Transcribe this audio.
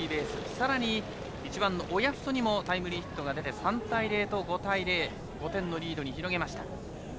さらに１番の親富祖にもタイムリーヒットが出て３対０と５点のリードに広げました。